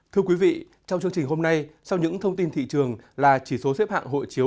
thưa quý vị trong chương trình hôm nay sau những thông tin thị trường là chỉ số xếp hạng hộ chiếu